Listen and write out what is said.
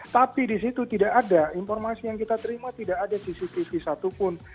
tapi di situ tidak ada informasi yang kita terima tidak ada cctv satupun